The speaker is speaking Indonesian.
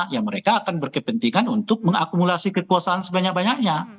ya mereka akan berkepentingan untuk mengakumulasi kekuasaan sebanyak banyaknya